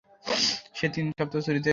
সে তিন সপ্তাহ ছুটিতে ছিল।